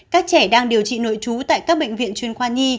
các trẻ đang điều trị nội trú tại các bệnh viện chuyên khoa nhi